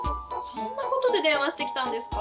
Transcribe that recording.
そんなことで電話してきたんですか？